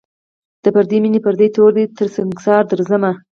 د پردۍ میني پردی تور دی تر سنگساره درځم